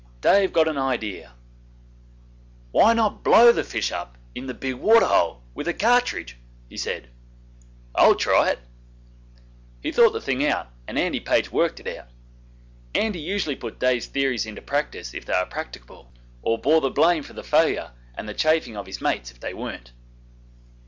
Dave got an idea. 'Why not blow the fish up in the big water hole with a cartridge?' he said. 'I'll try it.' He thought the thing out and Andy Page worked it out. Andy usually put Dave's theories into practice if they were practicable, or bore the blame for the failure and the chaffing of his mates if they weren't.